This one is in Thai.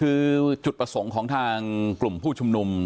คือจุดประสงค์ของทางกลุ่มผู้ชุมนุม